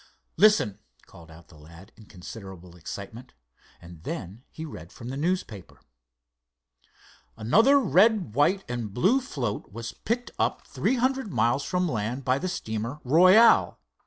"Listen!" called out the lad in considerable excitement, and then he read from the newspaper: "Another red, white and blue float was picked up three hundred miles from land by the steamer Royale.